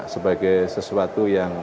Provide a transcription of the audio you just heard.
sebagai sesuatu yang